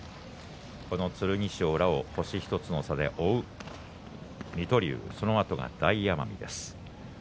剣翔を星１つの差で追う水戸龍、そのあとが大奄美です。